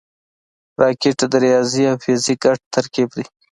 راکټ د ریاضي او فزیک ګډ ترکیب دی